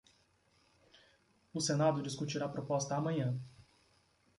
O senado discutirá a proposta amanhã